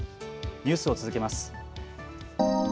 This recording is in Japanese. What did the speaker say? ニュースを続けます。